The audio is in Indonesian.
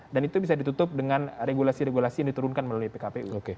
dan itu bisa ditutup dengan regulasi regulasi yang diturunkan melalui pkpu